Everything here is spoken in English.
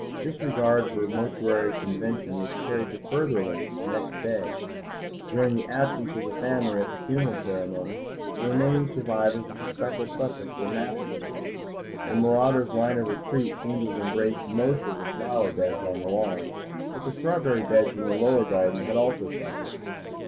Disregard for mortuary convention was carried to further lengths next day; during the absence of the family at the funeral ceremony the remaining survivors of the speckled Sussex were massacred. The marauder's line of retreat seemed to have embraced most of the flower beds on the lawn, but the strawberry beds in the lower garden had also suffered.